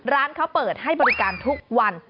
ร้านเขาเปิดให้บริการทุกวัน